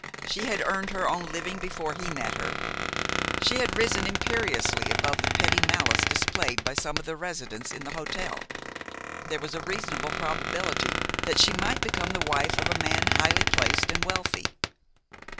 She had earned her own living before he met her; she had risen imperiously above the petty malice displayed by some of the residents in the hotel; there was a reasonable probability that she might become the wife of a man highly placed and wealthy.